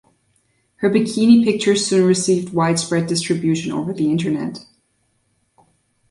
Her bikini pictures soon received widespread distribution over the Internet.